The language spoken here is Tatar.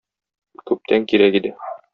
Күптән кирәк иде.